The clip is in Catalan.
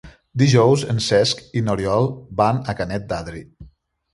Dijous en Cesc i n'Oriol van a Canet d'Adri.